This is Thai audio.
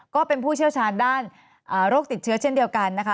ก็เป็นผู้เชี่ยวชาญด้านโรคติดเชื้อเช่นเดียวกันนะคะ